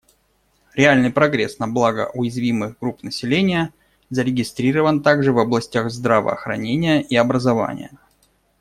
Реальный прогресс на благо уязвимых групп населения зарегистрирован также в областях здравоохранения и образования.